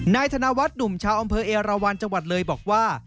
ธนวัฒน์หนุ่มชาวอำเภอเอราวันจังหวัดเลยบอกว่า